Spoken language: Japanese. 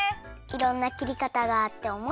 いろんなきりかたがあっておもしろい！